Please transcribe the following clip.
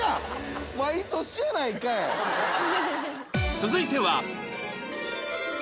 続いては